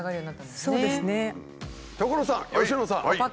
所さん佳乃さん！